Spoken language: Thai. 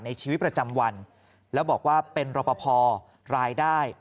ในชีวิตประจำวันแล้วบอกว่าเป็นรอปภรายได้